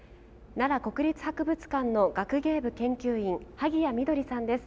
奈良国立博物館の学芸部研究員萩谷みどりさんです。